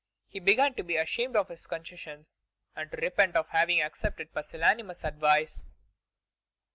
He began to be ashamed of his concessions, and to repent of having accepted pusillanimous advice.